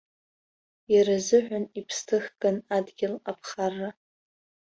Иаразыҳәан иԥсҭыхган адгьыл аԥхарра.